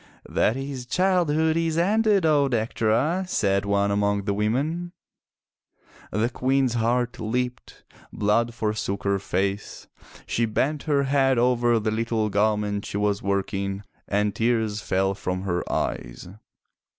"That his childhood is ended, O Dectera," said one among the women. The Queen's heart leaped, blood forsook her face, she bent her head over the little garment she was working and tears fell from her eyes.